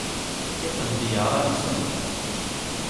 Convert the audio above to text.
Tiqendyar-a nsent.